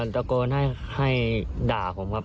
ตะโกนให้ด่าผมครับ